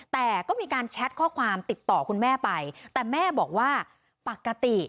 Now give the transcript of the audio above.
แต่ก็มีการแชทข้อความติดต่อคุณแม่ไปแต่แม่บอกว่าปกติ